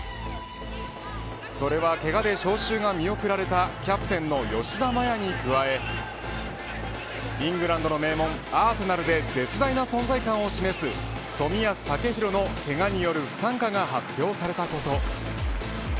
それはけがで招集が見送られたキャプテンの吉田麻也に加えイングランドの名門アーセナルで絶大な存在感を示す冨安健洋のけがによる不参加が発表されたこと。